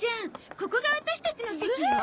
ここがワタシたちの席よ。